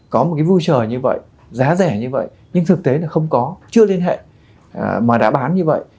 có một cái vui chờ như vậy giá rẻ như vậy nhưng thực tế là không có chưa liên hệ mà đã bán như vậy